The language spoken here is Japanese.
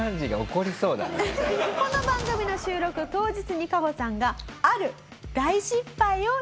この番組の収録当日にカホさんがある大失敗をしてしまうんです。